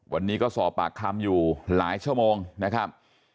วันนี้ก็สอบปากคำอยู่หลายชั่วโมงนะครับ